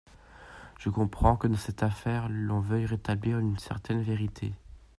Je comprends que dans cette affaire, l’on veuille rétablir une certaine vérité.